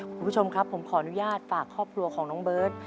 คุณผู้ชมครับผมขออนุญาตฝากครอบครัวของน้องเบิร์ต